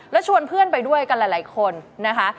แล้วชวนเพื่อนไปด้วยกันหลายคนนะคะ